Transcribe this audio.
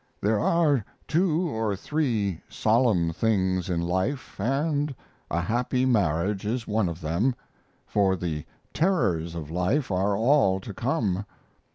There are two or three solemn things in life and a happy marriage is one of them, for the terrors of life are all to come.